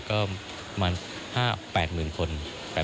ก็ประมาณ๕๘หมื่นคน